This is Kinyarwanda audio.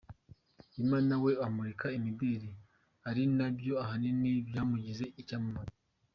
Lima na we amurika imideli, ari na byo ahanini byamugize icyampamare.